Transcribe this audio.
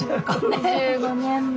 ２５年も。